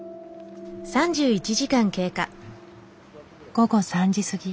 午後３時すぎ。